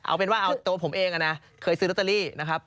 เอาเป็นว่าเอาตัวผมเองนะเคยซื้อลอตเตอรี่นะครับ